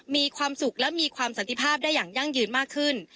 มีความสุขและมีความสันติภาพได้อย่างยั่งยืนมากขึ้น